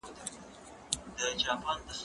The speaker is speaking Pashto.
سیر وکړه؟!